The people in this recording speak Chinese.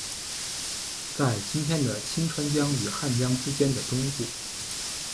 在今天的清川江与汉江之间的东部。